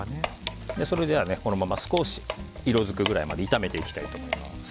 このまま少し色づくくらいまで炒めていきたいと思います。